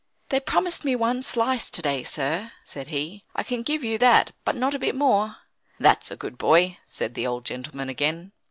"They promised me one slice to day, sir," said he; "I can give you that, but not a bit more." "That's a good boy," said the old gentleman again.